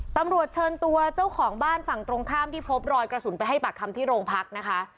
ตำรวจเชิญตัวเจ้าของบ้านฝั่งตรงข้ามที่พบรอยกระสุนไปให้ปากคำที่โรงพักนะคะ